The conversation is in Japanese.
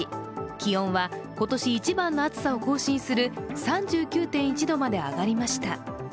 気温は今年一番の暑さを更新する３９．１度まで上がりました。